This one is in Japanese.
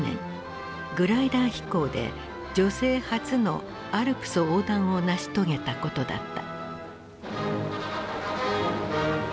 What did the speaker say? グライダー飛行で女性初のアルプス横断を成し遂げたことだった。